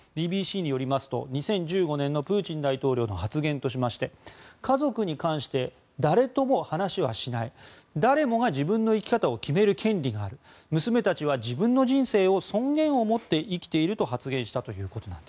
ＢＢＣによりますと２０１５年のプーチン大統領の発言としまして家族に関して、誰とも話はしない誰もが自分の生き方を決める権利がある娘たちは自分の人生を尊厳を持って生きていると発言したと。